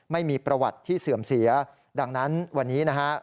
ไม่มีประวัติที่เสื่อมเสียดังนั้นวันนี้นะฮะ